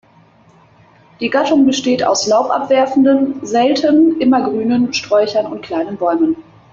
Die Gattung besteht aus laubabwerfenden, selten immergrünen, Sträuchern und kleinen Bäumen.